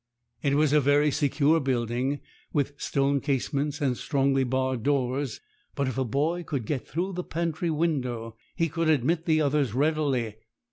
It was a very secure building, with stone casements and strongly barred doors; but if a boy could get through the pantry window, he could admit the others readily.